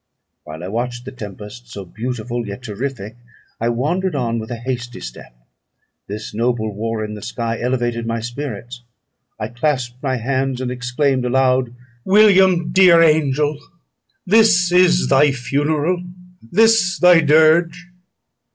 While I watched the tempest, so beautiful yet terrific, I wandered on with a hasty step. This noble war in the sky elevated my spirits; I clasped my hands, and exclaimed aloud, "William, dear angel! this is thy funeral, this thy dirge!"